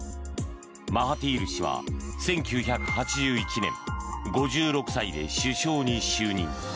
マハティール氏は１９８１年５６歳で首相に就任。